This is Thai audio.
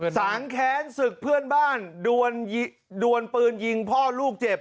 สางแค้นศึกเพื่อนบ้านดวนปืนยิงพ่อลูกเจ็บ